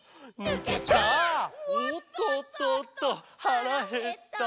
「おっとっとっとはらへった」